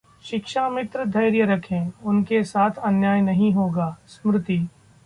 शिक्षामित्र धैर्य रखें, उनके साथ अन्याय नहीं होगा: स्मृति